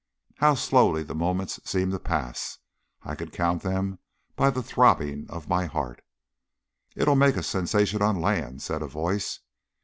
How slowly the moments seemed to pass! I could count them by the throbbing of my heart. "It'll make a sensation on land," said a voice.